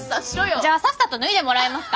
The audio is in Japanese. じゃあさっさと脱いでもらえますか？